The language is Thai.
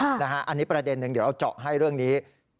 อันนี้ประเด็นหนึ่งเดี๋ยวเราเจาะให้เรื่องนี้